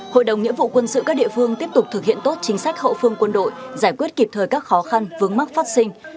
hội đồng nghĩa vụ quân sự các địa phương tiếp tục thực hiện tốt chính sách hậu phương quân đội giải quyết kịp thời các khó khăn vướng mắc phát sinh